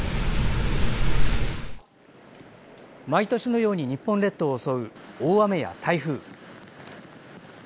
毎年のように日本列島を襲う大雨や台風。